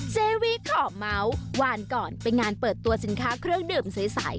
เจวีขอเมาส์วานก่อนไปงานเปิดตัวสินค้าเครื่องดื่มใส